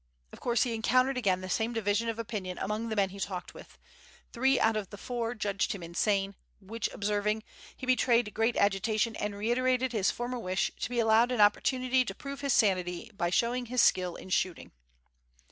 Of course he encountered again the same division of opinion among the men he talked with. Three out of the four judged him insane, which observing, he betrayed great agitation and reiterated his former wish to be allowed an opportunity to prove his sanity by showing his skill in shooting.